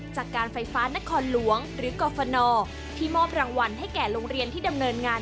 จากการไฟฟ้านครหลวงหรือกรฟนที่มอบรางวัลให้แก่โรงเรียนที่ดำเนินงาน